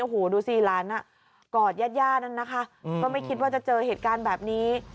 โอ้โหดูสิหลานกอดญาติย่านั่นนะคะก็ไม่คิดว่าจะเจอเหตุการณ์แบบนี้